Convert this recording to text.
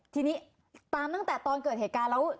ทีนี้ตามตั้งแต่ตอนเกิดเหตุการณ์แล้ว